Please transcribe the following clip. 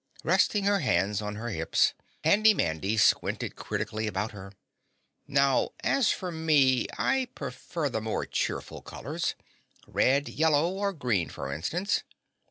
Resting her hands on her hips, Handy Mandy squinted critically about her. "Now as for me, I prefer the more cheerful colors, red, yellow or green, for instance."